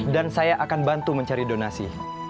dan saya akan bantu mencari donasi